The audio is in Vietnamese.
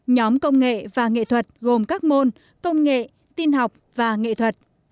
nhóm công nghệ và nghệ thuật gồm các môn công nghệ tin học và nghệ thuật